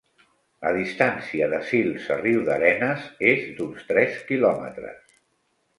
La distància de Sils a Riudarenes és d'uns tres quilòmetres.